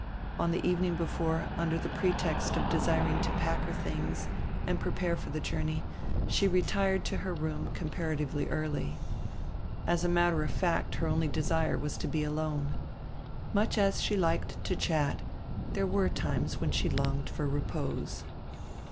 On the evening before, under the pre text of desiring to pack her tilings and prepare for the journey, she retired to her room comparatively early. As a matter of fact, her only desire was to lie alone. Much as she liked to chat, there were times when she longed for repose.